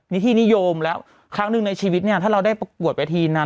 นี่ที่นิยมแล้วครั้งหนึ่งในชีวิตเนี่ยถ้าเราได้ประกวดเวทีนาน